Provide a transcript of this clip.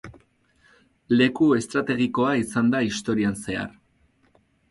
Leku estrategikoa izan da historian zehar.